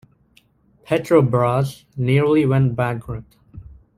Petrobras nearly went bankrupt.